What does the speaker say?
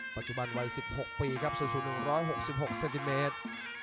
ปัจจุบันวัย๑๖ปีครับสูง๑๖๖เซนติเมตร